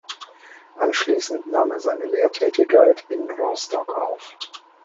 Anschließend nahm er seine Lehrtätigkeit in Rostock auf.